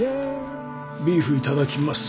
ビーフいただきます！